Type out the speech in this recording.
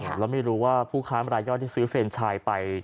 แล้วไม่รู้ว่าผู้ค้ามรายย่อยที่ซื้อเฟรนชายไป